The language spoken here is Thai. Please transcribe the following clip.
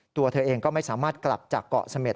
ตัวเธอเองก็ไม่สามารถกลับจากเกาะเสม็ด